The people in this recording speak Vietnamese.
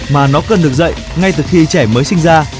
mà nó cần được dạy ngay từ khi trẻ mới sinh ra